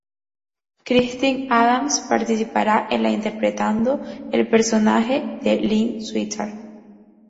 Christine Adams participará en la interpretando al personaje de "Lynn Stewart".